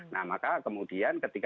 nah maka kemudian ketika